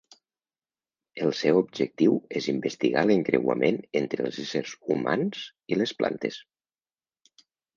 El seu objectiu és investigar l'encreuament entre els éssers humans i les plantes.